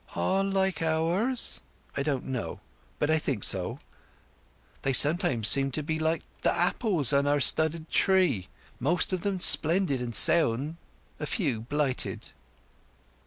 "All like ours?" "I don't know; but I think so. They sometimes seem to be like the apples on our stubbard tree. Most of them splendid and sound—a few blighted."